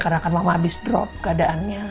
karena kan mama habis drop keadaannya